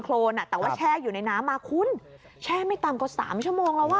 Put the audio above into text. โรนแต่ว่าแช่อยู่ในน้ำมาคุณแช่ไม่ต่ำกว่า๓ชั่วโมงแล้วอ่ะ